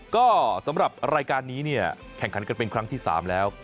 ก็สำหรับรายการนี้เนี่ยแข่งขันกันเป็นครั้งที่๓แล้ว